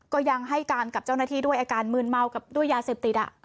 ก็ยังให้การกับเจ้าหน้าที่ด้วยอาการมืนเมากับด้วยยาเสพติด